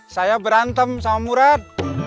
saya berantem sama murad